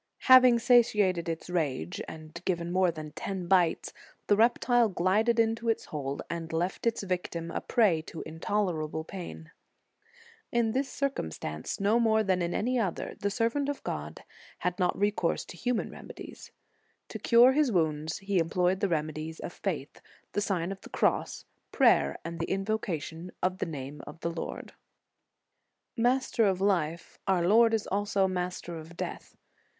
Having satiated its rage, and given more than ten bites, the reptile glided into its hole, and left its victim a prey to intolerable pain. In this circumstance, no more than in any other, the servant of God had not recourse * De Civ. Dei, lib. xxii. c. 8. In the Nineteenth Century. to human remedies. To cure his wounds he employed the remedies of faith, the Sign of the Cross, prayer, and the invocation of the name of the Lord."* Master of life, our Lord is also Master of death.